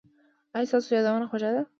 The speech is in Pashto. ایا ستاسو یادونه خوږه ده؟